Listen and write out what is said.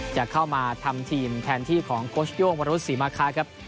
จะเข้ามาทำทีมแทนที่ของโค้ชโย่งวรุษศรีมาคะครับ